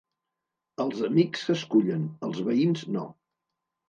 Els amics s'escullen, els veïns, no.